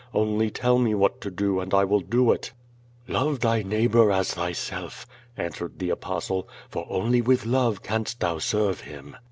Only tell me what to do, and I will do it." "Love thy neighbor as thyself," answered the Apostle, "for only with love canst thou serve Him."